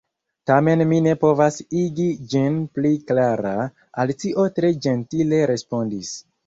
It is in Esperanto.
"Tamen mi ne povas igi ĝin pli klara," Alicio tre ĝentile respondis.